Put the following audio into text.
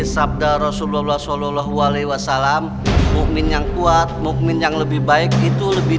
sabda rasulullah shallallahu alaihi wasallam mu'min yang kuat mu'min yang lebih baik itu lebih